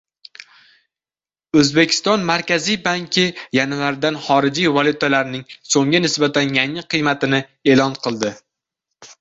Oʻzbekiston Markaziy banki yanvardan xorijiy valyutalarning soʻmga nisbatan yangi qiymatini eʼlon qildi.